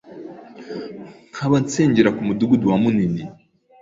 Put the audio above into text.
Nkaba nsengera ku mudugudu wa Munini,